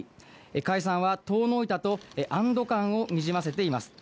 解散は遠のいたと、安ど感をにじませています。